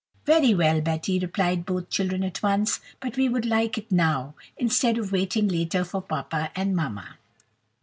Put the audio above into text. "Very well, Betty," replied both children at once; "but we would like it now, instead of waiting later for papa and mamma."